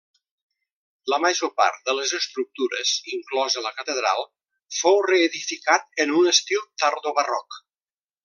La major part de les estructures, inclosa la catedral, fou reedificat en un estil tardobarroc.